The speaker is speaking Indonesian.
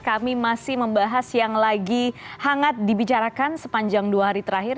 kami masih membahas yang lagi hangat dibicarakan sepanjang dua hari terakhir